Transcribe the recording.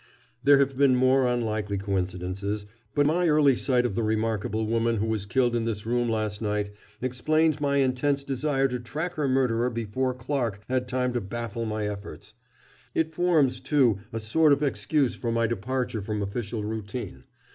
"There have been more unlikely coincidences, but my early sight of the remarkable woman who was killed in this room last night explains my intense desire to track her murderer before Clarke had time to baffle my efforts. It forms, too, a sort of excuse for my departure from official routine.